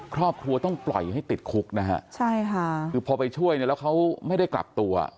ครอบครัวต้องปล่อยให้ติดคุกนะฮะใช่ค่ะคือพอไปช่วยเนี่ยแล้วเขาไม่ได้กลับตัว